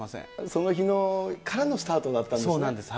その日からのスタートだったそうなんです。